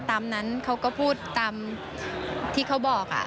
ตามนั้นเขาก็พูดตามที่เขาบอก